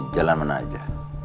jalan mana aja